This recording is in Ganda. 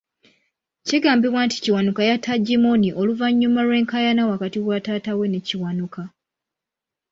Kigambibwa nti Kiwanuka yatta Gimmony oluvannyuma lw'enkaayana wakati wa taata we ne Kiwanuka.